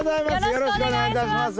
よろしくお願いします